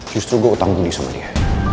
justru gue utang budi sama dia